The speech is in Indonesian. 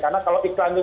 karena kalau iklan juga